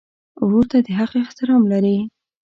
ورور ته د حق احترام لرې.